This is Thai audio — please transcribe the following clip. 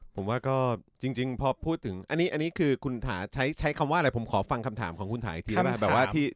ผมว่าก็จริงพอพูดถึงอันนี้คือคุณถาใช้คำว่าอะไรผมขอฟังคำถามของคุณถ่ายทีได้ไหม